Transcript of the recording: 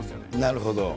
なるほど。